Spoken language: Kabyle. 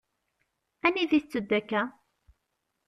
Anida i tetteddu akka?